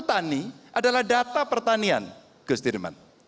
jadi saya mau bicara tentang hal hal yang terjadi di negara ini